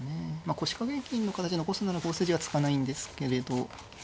腰掛け銀の形残すなら５筋は突かないんですけれど。